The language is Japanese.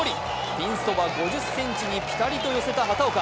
ピンそば５０ｃｍにピタリと寄せた畑岡。